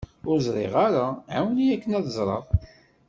Ur ẓriɣ ara, ɛiwen-iyi akken ad ẓreɣ.